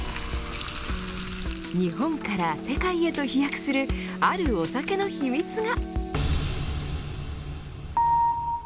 日本から世界へと飛躍するあるお酒の秘密が。